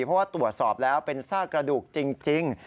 เพราะว่าตรวจสอบแล้วเป็นซากกระดูกจริง